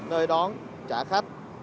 nơi đón trả khách